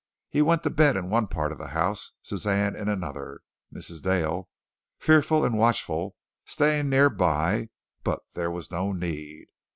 He went to bed in one part of the house Suzanne in another Mrs. Dale, fearful and watchful, staying near by, but there was no need.